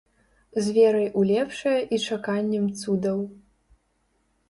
З верай у лепшае і чаканнем цудаў.